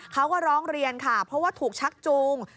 เขาก็ร้องเรียนค่ะเพราะว่าถูกชักจูง